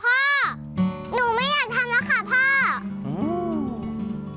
หนูไม่อยากทำแล้วค่ะพ่อ